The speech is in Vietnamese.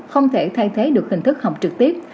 không thể thay thế được hình thức học trực tiếp